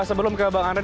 sebelum ke bang andri